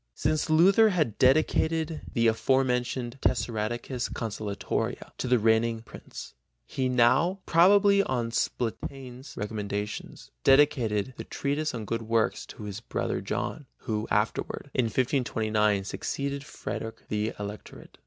Since Luther had dedicated the afore mentioned Tessaradecas consolatoria to the reigning Prince, he now, probably on Spalatin's recommendation, dedicated the Treatise on Good Works to his brother John, who afterward, in 1525, succeeded Frederick in the Electorate.